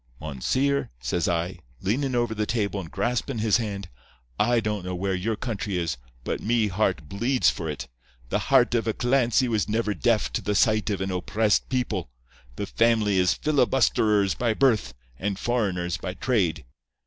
"'Monseer,' says I, leanin' over the table and graspin' his hand, 'I don't know where your country is, but me heart bleeds for it. The heart of a Clancy was never deaf to the sight of an oppressed people. The family is filibusterers by birth, and foreigners by trade.